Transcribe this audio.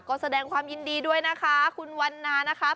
ก็แสดงความยินดีด้วยนะคะคุณวันนานะคะ